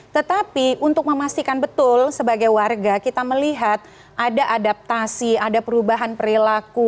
tetapi untuk memastikan betul sebagai warga kita melihat ada adaptasi ada perubahan perilaku